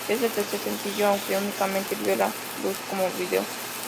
Es el tercer sencillo, aunque únicamente vio la luz como vídeo.